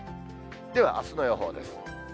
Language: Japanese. ではあすの予報です。